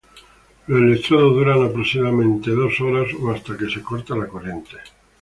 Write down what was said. Los electrodos duran aproximadamente dos horas o hasta que se corta la corriente.